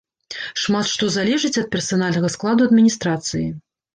Шмат што залежыць ад персанальнага складу адміністрацыі.